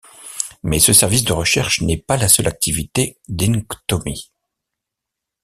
Mais ce service de recherche n’est pas la seule activité d’Inktomi.